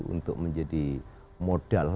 untuk menjadi modal